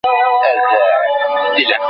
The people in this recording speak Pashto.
چېري د امنیتي تړونونو لاسلیک کیږي؟